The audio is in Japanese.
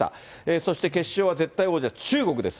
そして決勝は絶対王者、中国です。